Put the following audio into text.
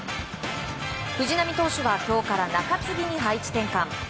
藤浪投手は今日から中継ぎに配置転換。